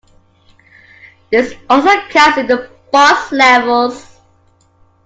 This also counts in the Boss levels.